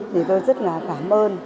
thì tôi rất là cảm ơn